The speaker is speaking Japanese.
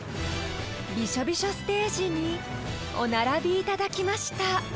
［びしょびしょステージにお並びいただきました］